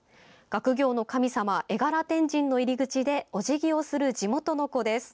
学業の神様、荏柄天神の入り口でおじぎをする地元の子です。